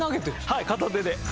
はい片手で。